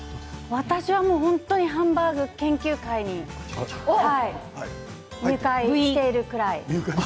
私は本当にハンバーグ研究会に入会しているぐらい。